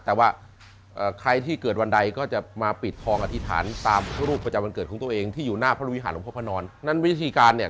แต่ว่าใครที่เกิดวันใดก็จะมาปิดทองอธิษฐานตามพระรูปประจำวันเกิดของตัวเองที่อยู่หน้าพระวิหารหลวงพ่อพระนอนนั่นวิธีการเนี่ย